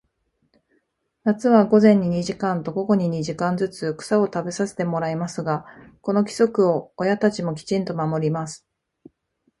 夏は午前に二時間と、午後に二時間ずつ、草を食べさせてもらいますが、この規則を親たちもきちんと守ります。